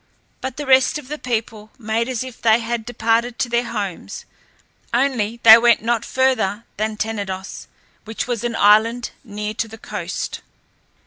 But the rest of the people made as if they had departed to their homes; only they went not further than Tenedos, which was an island near to the coast.